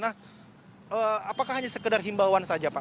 apakah hanya sekedar himbauan saja pak